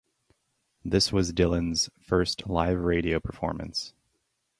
This was Dylan's first live radio performance.